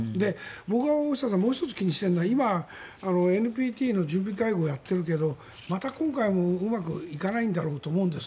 僕は大下さんもう１つ気にしているのは今、ＮＰＴの準備会合をやっているけどまた今回もうまくいかないと思うんです。